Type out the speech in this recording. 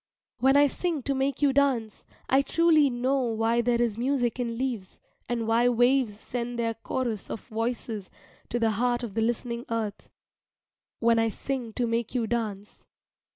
When I sing to make you dance, I truly know why there is music in leaves, and why waves send their chorus of voices to the heart of the listening earth when I sing to make you dance.